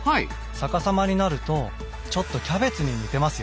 逆さまになるとちょっとキャベツに似てますよね。